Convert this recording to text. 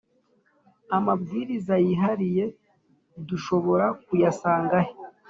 amabwiriza y’ihariye dushobora kuyasanga he